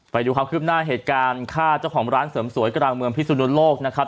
ไปดูความคืบหน้าเหตุการณ์ฆ่าเจ้าของร้านเสริมสวยกลางเมืองพิสุนโลกนะครับ